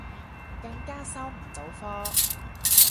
更加收唔到科